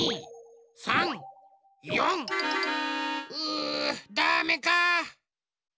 うダメか。